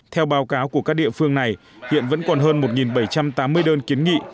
theo báo cáo của các địa phương này hiện vẫn còn hơn một bảy trăm tám mươi đơn kiến nghị